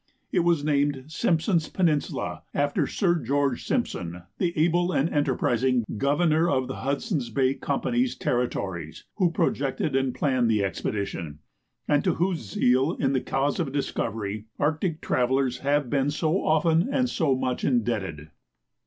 It was named Simpson's Peninsula after Sir George Simpson, the able and enterprising Governor of the Hudson's Bay Company's territories, who projected and planned the expedition, and to whose zeal in the cause of discovery Arctic travellers have been so often and so much indebted.